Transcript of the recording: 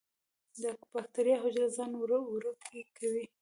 باکټریايي حجره ځان وړوکی کوي.